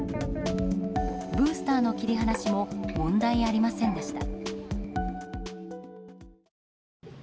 ブースターの切り離しも問題ありませんでした。